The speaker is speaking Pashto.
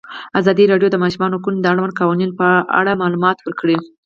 ازادي راډیو د د ماشومانو حقونه د اړونده قوانینو په اړه معلومات ورکړي.